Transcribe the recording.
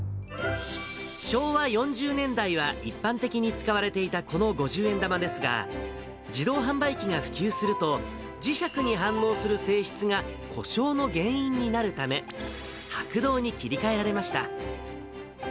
昭和４０年代は一般的に使われていたこの五十円玉ですが、自動販売機が普及すると、磁石に反応する性質が故障の原因になるため、白銅に切り替えられました。